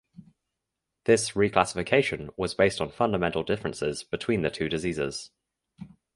This reclassification was based on fundamental differences between the two diseases.